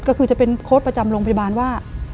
ก็คือจะเป็นโค้ดประจำโรงพยาบาลว่า